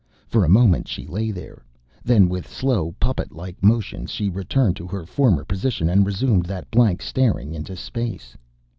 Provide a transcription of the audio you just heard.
For a moment she lay there. Then with slow, puppet like motions, she returned to her former position and resumed that blank staring into space.